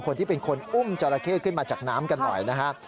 คนที่เป็นคนอุ้มจราเข้ขึ้นมาจากน้ำกันหน่อยนะครับ